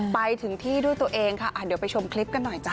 ไปถึงที่ด้วยตัวเองค่ะเดี๋ยวไปชมคลิปกันหน่อยจ้